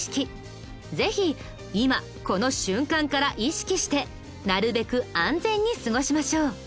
ぜひ今この瞬間から意識してなるべく安全に過ごしましょう。